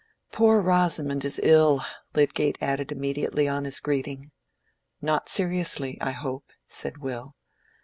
"Poor Rosamond is ill," Lydgate added immediately on his greeting. "Not seriously, I hope," said Will.